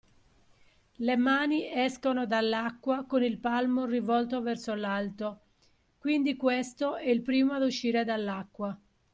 Le mani escono dall’acqua con il palmo rivolto verso l’alto, quindi questo è il primo ad uscire dall’acqua.